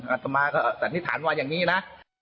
อัตมาก็สันนิษฐานว่าอย่างนี้นะ